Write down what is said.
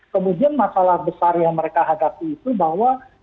kemudian masalah besar yang mereka hadapi itu bahwa